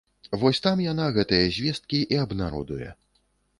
Вось там яна гэтыя звесткі і абнародуе.